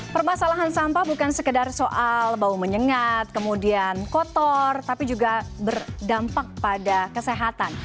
permasalahan sampah bukan sekedar soal bau menyengat kemudian kotor tapi juga berdampak pada kesehatan